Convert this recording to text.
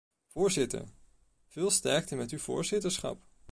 Voorzitter, veel sterkte met uw voorzitterschap.